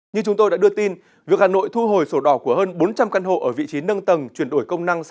như chúng tôi đã đưa tin việc hà nội thu hồi sổ đỏ của hơn bốn trăm linh căn hộ ở vị trí nâng tầng chuyển đổi công năng